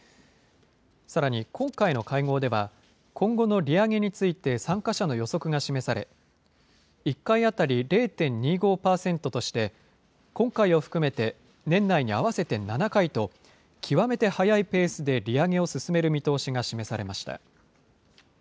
さらに今回の会合では今後の利上げについて参加者の予測が示され、１回当たり０．２５％として今回を含めて年内に合わせて７回と極めて速いペースで利上げを進める見通しが示されました。